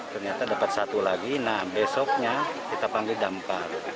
ternyata dapat satu lagi nah besoknya kita panggil damkar